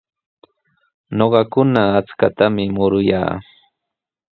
Ñuqakuna achkatami muruyaa.